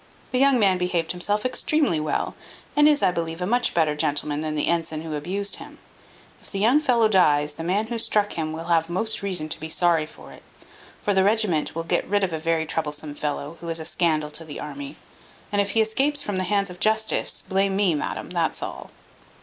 The young man behaved himself extremely well, and is, I believe, a much better gentleman than the ensign who abused him. If the young fellow dies, the man who struck him will have most reason to be sorry for it: for the regiment will get rid of a very troublesome fellow, who is a scandal to the army; and if he escapes from the hands of justice, blame me, madam, that's all."